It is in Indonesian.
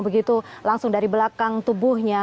begitu langsung dari belakang tubuhnya